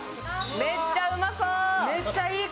めっちゃうまそう。